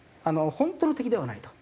「本当の敵ではない」と。